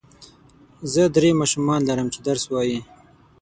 زه درې ماشومان لرم چې درس وايي.